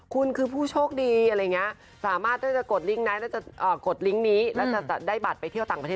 คุณคือผู้โชคดีสามารถกดลิงก์นี้แล้วจะได้บัตรไปเที่ยวต่างประเทศ